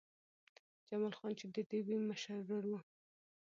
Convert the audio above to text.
جمال خان چې د ډېوې مشر ورور و